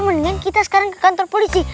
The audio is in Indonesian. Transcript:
mendingan kita sekarang ke kantor polisi